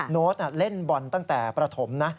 โน้ตเล่นบอลตั้งแต่ประถมนะ